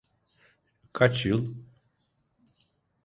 Kaç yıl?